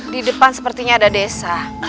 di depan sepertinya ada desa